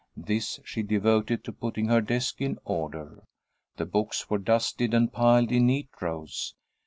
This she devoted to putting her desk in order. The books were dusted and piled in neat rows.